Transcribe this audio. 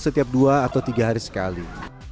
setiap dua atau tiga hari sekali